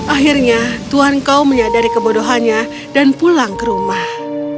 akhirnya tuhan kau menyadari kebodohannya dan pulang ke rumah